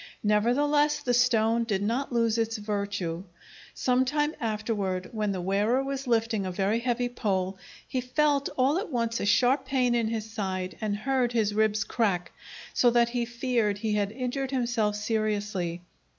Nevertheless the stone did not lose its virtue. Some time afterward, when the wearer was lifting a very heavy pole, he felt all at once a sharp pain in his side and heard his ribs crack, so that he feared he had injured himself seriously.